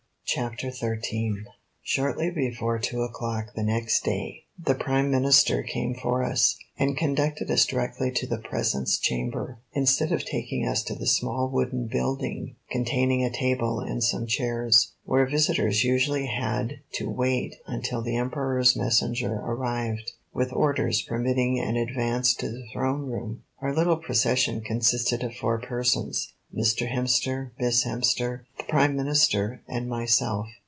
CHAPTER XIII Shortly before two o'clock the next day the Prime Minister came for us, and conducted us directly to the Presence Chamber, instead of taking us to the small wooden building, containing a table and some chairs, where visitors usually had to wait until the Emperor's messenger arrived with orders permitting an advance to the throne room. Our little procession consisted of four persons, Mr. Hemster, Miss Hemster, the Prime Minister, and myself.